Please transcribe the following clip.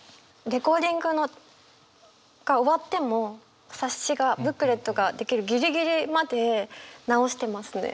レコーディングが終わっても冊子がブックレットが出来るギリギリまで直してますね。